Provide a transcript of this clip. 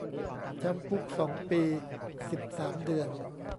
จำคุกสองปี สิบสามเดือน